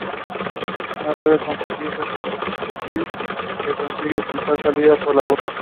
No debe confundirse con "escupir", que consiste en expulsar saliva por la boca.